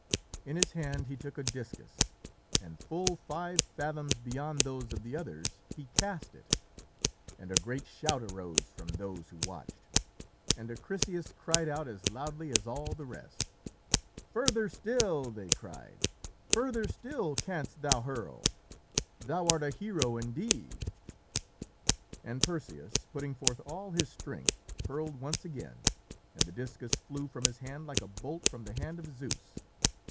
In his hand he took a discus, and full five fathoms beyond those of the others he cast it, and a great shout arose from those who watched, and Acrisius cried out as loudly as all the rest. "Further still!" they cried. "Further still canst thou hurl! thou art a hero indeed!" And Perseus, putting forth all his strength, hurled once again, and the discus flew from his hand like a bolt from the hand of Zeus.